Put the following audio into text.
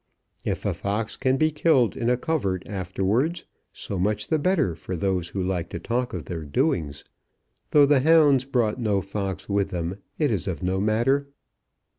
If a fox can be killed in covert afterwards so much the better for those who like to talk of their doings. Though the hounds brought no fox with them, it is of no matter.